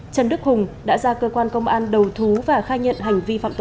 trần đức hùng đã ra cơ quan công an đầu thú và khai nhận hành vi phạm tội